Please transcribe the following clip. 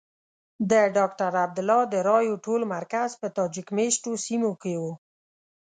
د ډاکټر عبدالله د رایو ټول مرکز په تاجک مېشتو سیمو کې وو.